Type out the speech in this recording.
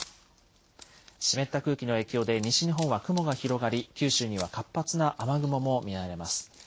湿った空気の影響で西日本は雲が広がり九州には活発な雨雲も見られます。